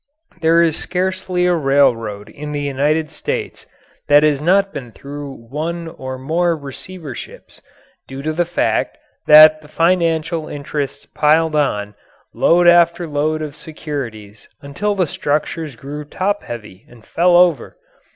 There is scarcely a railroad in the United States that has not been through one or more receiverships, due to the fact that the financial interests piled on load after load of securities until the structures grew topheavy and fell over.